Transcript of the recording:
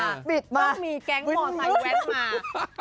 ให้มีแก๊งห่อใส่แวงมา